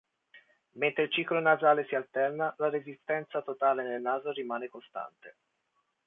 Mentre il ciclo nasale si alterna, la resistenza totale nel naso rimane costante.